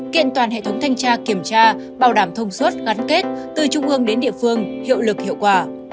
kiện toàn hệ thống thanh tra kiểm tra bảo đảm thông suốt ngắn kết từ trung ương đến địa phương hiệu lực hiệu quả